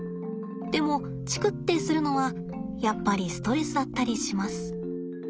でもチクッてするのはやっぱりストレスだったりします。